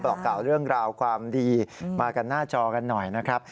อกกล่าวเรื่องราวความดีมากันหน้าจอกันหน่อยนะครับ